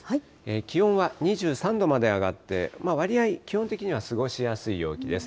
気温は２３度まで上がって、わりあい基本的には過ごしやすい陽気です。